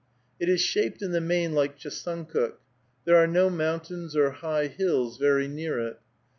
It is shaped in the main like Chesuncook. There are no mountains or high hills very near it.